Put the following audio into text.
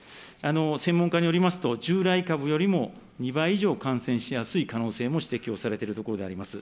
専門家によりますと、従来株よりも２倍以上感染しやすい可能性も指摘をされているところであります。